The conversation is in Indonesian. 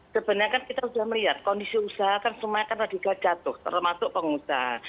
sebenarnya kan kita sudah melihat kondisi usaha kan semuanya juga jatuh termasuk pengusaha